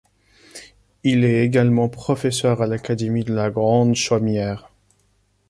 Il est également professeur à l’académie de la Grande Chaumière.